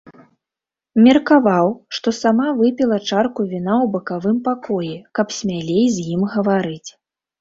Меркаваў, што сама выпіла чарку віна ў бакавым пакоі, каб смялей з ім гаварыць.